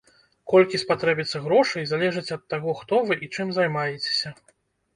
Колькі спатрэбіцца грошай, залежыць ад таго, хто вы і чым займаецеся.